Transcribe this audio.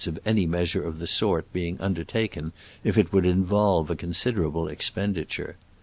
of any measure of the sort being under taken if it would involve a considerable expenditure.